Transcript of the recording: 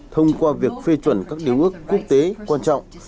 thông qua việc phê chuẩn các điều ước quốc tế quan trọng